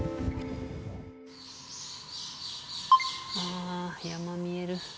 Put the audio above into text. あ山見える。